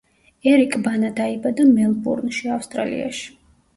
ერიკ ბანა დაიბადა მელბურნში, ავსტრალიაში.